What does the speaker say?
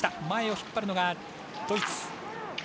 前を引っ張るのがドイツ。